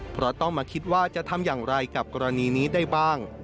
เพราะต้องมาคิดว่าจะทำอย่างไรกับกรณีนี้ได้บ้าง